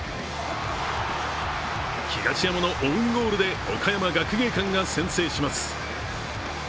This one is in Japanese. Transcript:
東山のオウンゴールで岡山学芸館が先制します。